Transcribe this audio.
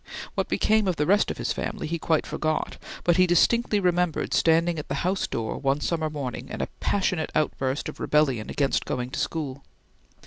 What became of the rest of the family he quite forgot; but he distinctly remembered standing at the house door one summer morning in a passionate outburst of rebellion against going to school.